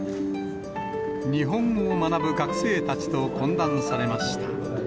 日本語を学ぶ学生たちと懇談されました。